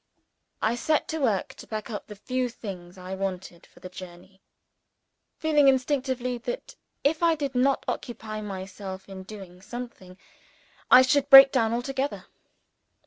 I set to work to pack up the few things I wanted for the journey; feeling instinctively that if I did not occupy myself in doing something, I should break down altogether.